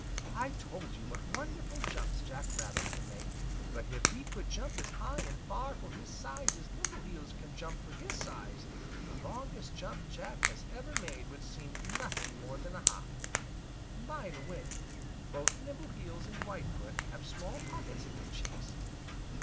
I told you what wonderful jumps Jack Rabbit can make, but if he could jump as high and far for his size as Nimbleheels can jump for his size, the longest jump Jack has ever made would seem nothing more than a hop. By the way, both Nimbleheels and Whitefoot have small pockets in their cheeks.